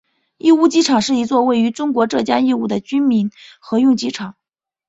义乌机场是一座位于中国浙江义乌的军民合用机场。